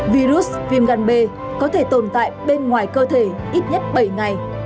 virus viêm gan b có thể tồn tại bên ngoài cơ thể ít nhất bảy ngày